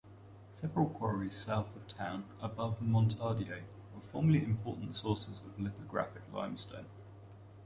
Several quarries south of town above Montdardier were formerly important sources of lithographic limestone.